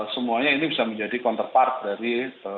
semuanya ini bisa menjadi counterpart dari